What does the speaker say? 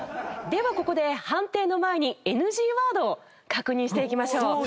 ではここで判定の前にＮＧワードを確認していきましょう。